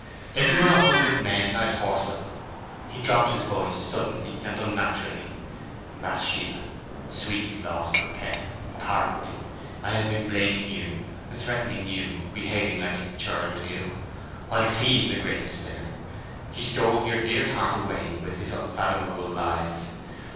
If he were a hundred men I'd horsewhip him—" He dropped his voice suddenly and unnaturally. "Bathsheba, sweet, lost coquette, pardon me! I've been blaming you, threatening you, behaving like a churl to you, when he's the greatest sinner. He stole your dear heart away with his unfathomable lies!...